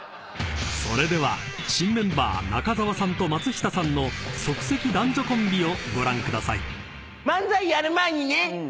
［それでは新メンバー中澤さんと松下さんの即席男女コンビをご覧ください］